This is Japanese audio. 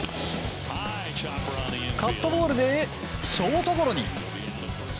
カットボールでショートゴロに。